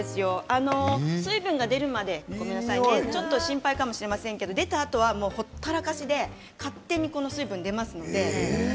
水分が出るまでちょっと心配かもしれませんけど出たあとは、ほったらかしで勝手に水分が出ますので。